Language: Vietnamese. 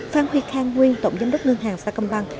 phan huy khang nguyên tổng giám đốc ngân hàng sà công băng